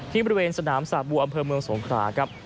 ที่บริเวณสนามสาปวับอำเภอเมืองสงครากับ